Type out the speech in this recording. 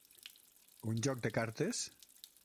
Un joc de cartes?